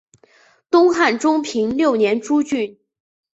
东汉中平六年诸郡。